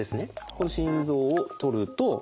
この心臓を取ると。